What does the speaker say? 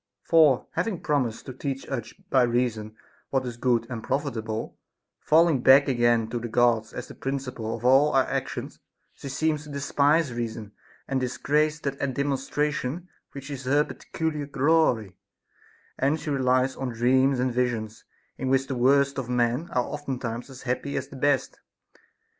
For having promised to teach us by reason what is good and profitable, falling back again to the Gods as the princi ple of all our actions, she seems to despise reason, and dis grace that demonstration which is her peculiar glory ; and she relies on dreams and visions, in which the worst of men are oftentimes as happy as the best.